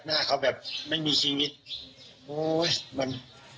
หน้าเขาแบบไม่มีชีวิต